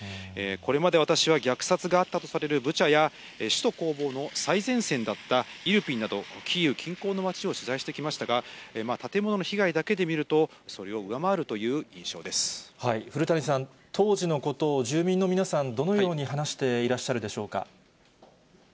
これまで私は虐殺があったとされるブチャや、首都攻防の最前線だったイルピンなど、キーウ近郊の町を取材してきましたが、建物の被害だけで見ると、古谷さん、当時のことを住民の皆さん、どのように話していらっしゃるでしょうか。